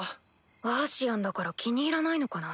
アーシアンだから気に入らないのかな？